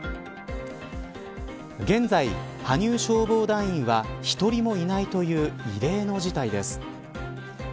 現在、羽生消防団員は１人もいないという異例の事態です。